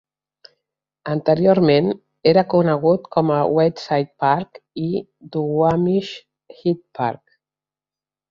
Anteriorment, era conegut com West Side Park i Duwamish Head Park.